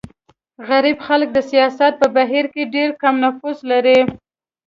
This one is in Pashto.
غریب خلک د سیاست په بهیر کې ډېر کم نفوذ لري.